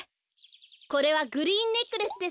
これはグリーンネックレスですよ。